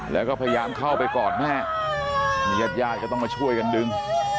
แล้วก็พยายามเข้าไปกอดแม่มีญาติญาติก็ต้องมาช่วยกันดึง